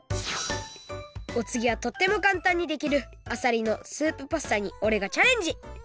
おつぎはとってもかんたんにできるあさりのスープパスタにおれがチャレンジ！